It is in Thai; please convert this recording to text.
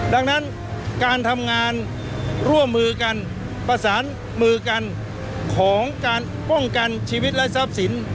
ดังนั้นการทำงานร่วมมือกันประสานมือกันของการป้องกันชีวิตและทรัพย์สิน